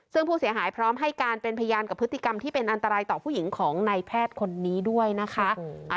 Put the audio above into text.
ซึ่งผู้เสียหายพร้อมให้การเป็นพยานกับพฤติกรรมที่เป็นอันตรายต่อผู้หญิงของนายแพทย์คนนี้ด้วยนะคะ